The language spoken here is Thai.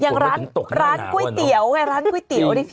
อย่างร้านก๋วยเตี๋ยวไงร้านก๋วยเตี๋ยวนี่สิ